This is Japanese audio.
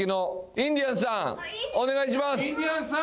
インディアンスさーん